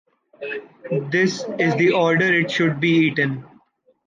This is the order it should be eaten.